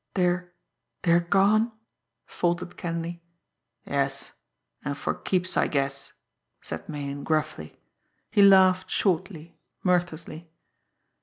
"They're they're gone?" faltered Kenleigh. "Yes and for keeps, I guess," said Meighan gruffly. He laughed shortly, mirthlessly.